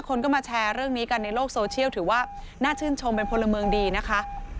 คนก็มาแชร์เรื่องนี้กันในโลกโซเชียลถือว่าน่าชื่นชมเป็นพลเมืองดีนะคะ